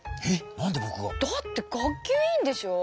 なんでぼくが？だって学級委員でしょう。